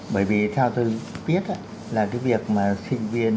bởi vì theo tôi biết là cái việc mà sinh viên